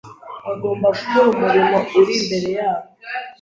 Bagomba gukora umurimo uri imbere yabo